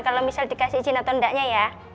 kalo misal dikasih izin atau ndaknya ya